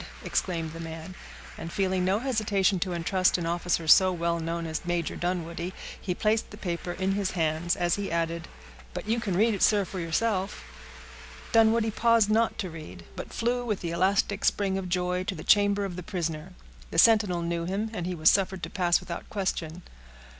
exclaimed the man; and feeling no hesitation to intrust an officer so well known as Major Dunwoodie, he placed the paper in his hands, as he added, "but you can read it, sir, for yourself." Dunwoodie paused not to read; but flew, with the elastic spring of joy, to the chamber of the prisoner. The sentinel knew him, and he was suffered to pass without question.